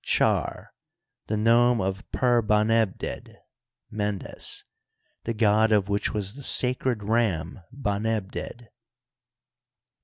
Char, the nome of Per^Banebded {Mendes), the god of which was the sac red ram Banebded, XVIII.